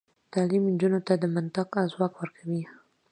تعلیم نجونو ته د منطق ځواک ورکوي.